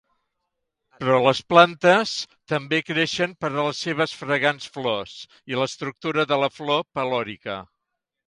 Però les plantes també creixen per a les seves fragants flors i l'estructura de la flor pelòrica.